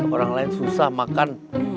orang lain susah makan